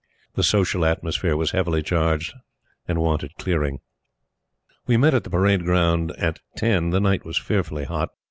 The social atmosphere was heavily charged and wanted clearing. We met at the parade ground at ten: the night was fearfully hot.